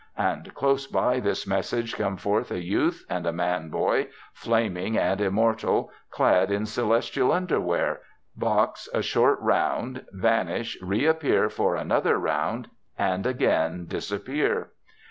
And close by this message come forth a youth and a man boy, flaming and immortal, clad in celestial underwear, box a short round, vanish, reappear for another round, and again disappear.